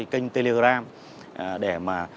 kênh telegram để